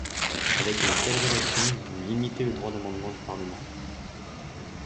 Avec une telle rédaction, vous limitez le droit d’amendement du Parlement.